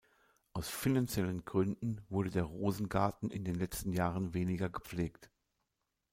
Aus finanziellen Gründen wurde der Rosengarten in den letzten Jahren weniger gepflegt.